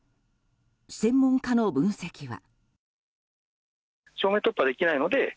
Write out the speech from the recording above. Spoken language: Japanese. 専門家の分析は。